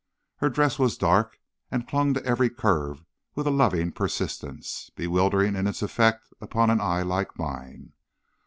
Her dress was dark, and clung to every curve with a loving persistence bewildering in its effect upon an eye like mine.